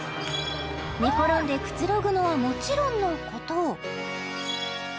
寝転んでくつろぐのはもちろんのこと